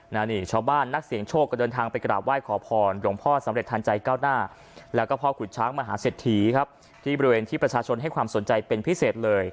นานี่ชาวบ้านนักเสียงโชคกระเดินทางไปกราบไหว้ขอพร